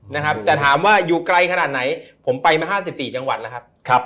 นะครับแต่ถามว่าอยู่ไกลขนาดไหนผมไปมา๕๔จังหวัดแล้วครับ